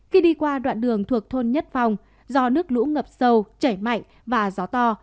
khi đi qua đoạn đường thuộc thôn nhất phòng do nước lũ ngập sâu chảy mạnh và gió to